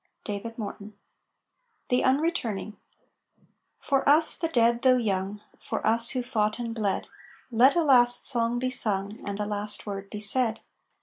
DAVID MORTON. THE UNRETURNING For us, the dead, though young, For us, who fought and bled, Let a last song be sung, And a last word be said!